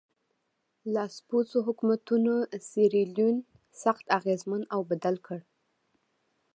لاسپوڅو حکومتونو سیریلیون سخت اغېزمن او بدل کړ.